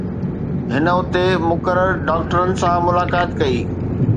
هن اتي مقرر ڊاڪٽرن سان ملاقات ڪئي